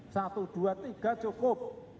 satu dua tiga cukup